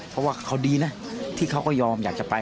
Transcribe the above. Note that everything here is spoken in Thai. เพราะว่าเขาดีนะที่เขาก็ยอมอยากจะไป